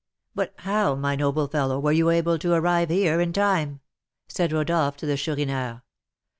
"But how, my noble fellow, were you able to arrive here in time?" said Rodolph to the Chourineur.